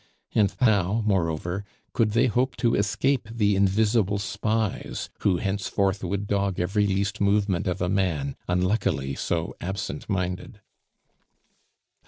And how, moreover, could they hope to escape the invisible spies who henceforth would dog every least movement of a man, unluckily so absent minded?